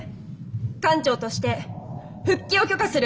艦長として復帰を許可する。